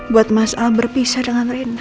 buat mas al berpisah dengan rinda